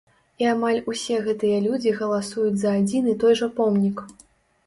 І амаль усе гэтыя людзі галасуюць за адзін і той жа помнік!